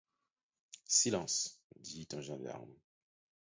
Silence ! dit un gendarme.